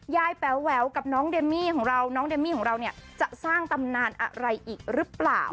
แป๋วแววกับน้องเดมมี่ของเราน้องเดมมี่ของเราเนี่ยจะสร้างตำนานอะไรอีกหรือเปล่า